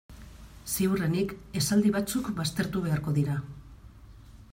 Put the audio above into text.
Ziurrenik esaldi batzuk baztertu beharko dira.